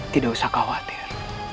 tidak usah khawatir